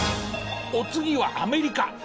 お次はアメリカ。